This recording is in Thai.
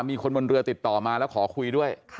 มีคนบนเรือติดต่อมาแล้วขอคุยด้วย